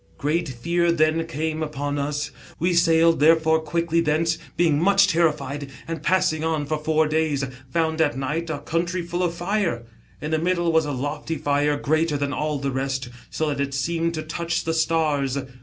Great fear then came upon us. We sailed, therefore, quickly thence, being much terri fied, and passing on for four days, found at night a country full of fire. In the middle was a loicy fire, greater than all the rest, so that it seemed to touch the stars.